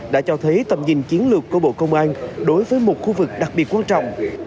đã cho thấy tầm nhìn chiến lược của bộ công an đối với một khu vực đặc biệt quan trọng